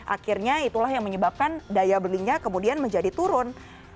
akhirnya itulah yang menyebabkan daya belinya kemudian menjadi turun